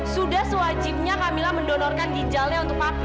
sudah sewajibnya camillah mendonorkan ginjalnya untuk papi